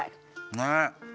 ねえ。